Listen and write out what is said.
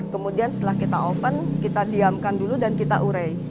kemudian setelah kita open kita diamkan dulu dan kita urai